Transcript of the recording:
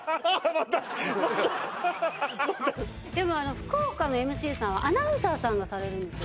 またまたまたでもあの福岡のＭＣさんはアナウンサーさんがされるんですよ